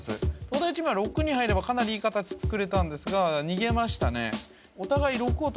東大王チームは６に入ればかなりいい形つくれたんですが逃げましたね